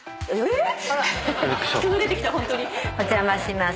お邪魔します。